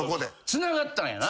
つながったんやな。